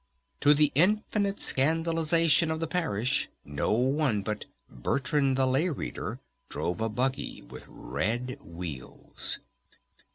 To the infinite scandalization of the Parish no one but "Bertrand the Lay Reader" drove a buggy with red wheels!